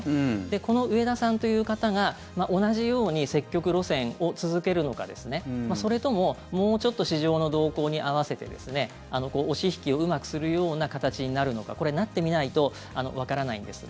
この植田さんという方が同じように積極路線を続けるのかそれとも、もうちょっと市場の動向に合わせて押し引きをうまくするような形になるのかこれ、なってみないとわからないんですが。